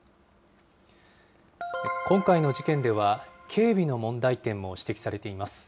今回の事件では、警備の問題点も指摘されています。